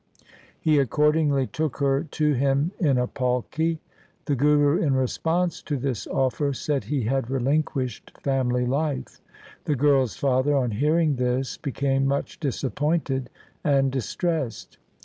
He accordingly took her to him in a palki The Guru, in response to this offer, said he had relin quished family life. The girl's father on hearing this became much disappointed and distressed.